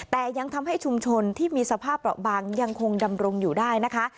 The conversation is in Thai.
แต่ยังทำให้ชุมชนที่มีสภาพเปราะบางยังคงดำรงอยู่ได้นะคะ